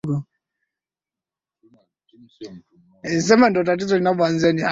hifadhi ya serengeti inaendelea hadi nchi kenya